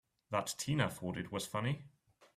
That Tina thought it was funny!